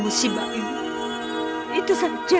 musibah itu saja